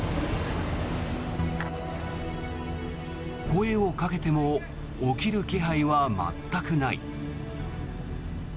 声をかけても起きる気配は全くない。